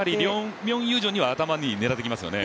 ミョン・ユジョンは頭を狙ってきますよね。